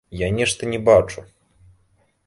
Я нешта не бачу.